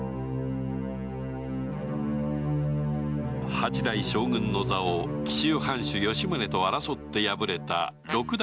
八代将軍の座を紀州藩主・吉宗と争って破れた六代